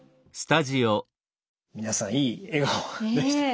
皆さんいい笑顔でしたね。